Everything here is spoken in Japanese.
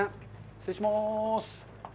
失礼します。